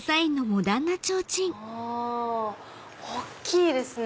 あ大っきいですね。